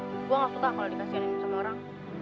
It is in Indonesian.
gue enggak suka kalau dikasihain sama orang